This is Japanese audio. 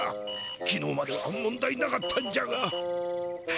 きのうまでは問題なかったんじゃが。